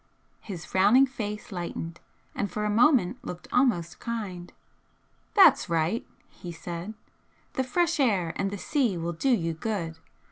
His frowning face lightened, and for a moment looked almost kind. "That's right!" he said "The fresh air and the sea will do you good.